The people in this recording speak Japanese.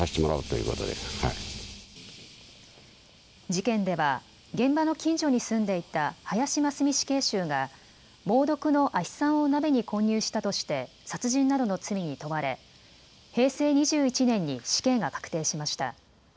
事件では現場の近所に住んでいた林真須美死刑囚が猛毒の亜ヒ酸を鍋に混入したとして殺人などの罪に問われ平成２１年に死刑が確定しました。